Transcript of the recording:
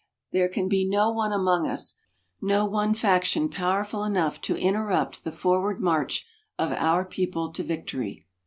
There can be no one among us no one faction powerful enough to interrupt the forward march of our people to victory.